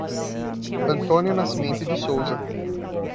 Antônio Nascimento de Souza